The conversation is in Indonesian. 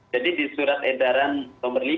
jadi di surat edaran nomor lima